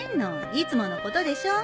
いつものことでしょ。